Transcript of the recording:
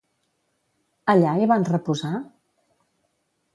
Allà hi van reposar?